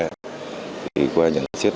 thì qua nhận xét